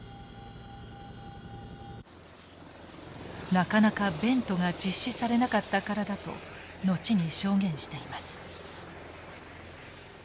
なかなかベントが実施されなかったからだと後に証言しています。